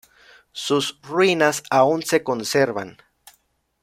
Sus ruinas aún se conservan.